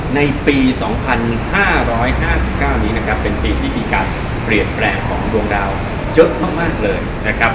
ในปีสองพันห้าร้อยห้าสิบเก้านี้นะครับเป็นปีที่มีการเปลี่ยนแปลงของดวงดาวเยอะมากมากเลยนะครับ